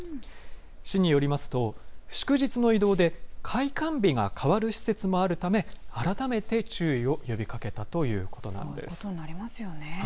市によりますと、祝日の移動で開館日が変わる施設もあるため、改めて注意を呼びかそういうことになりますよね。